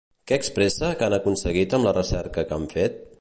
Què expressa que han aconseguit amb la recerca que han fet?